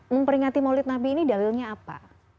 memperingati maulid nabi ini dalilnya apa